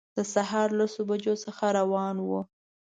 د سهار لسو بجو څخه روان وو.